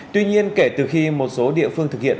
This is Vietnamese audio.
tuy nhiên kể từ khi một số địa phương thực hiện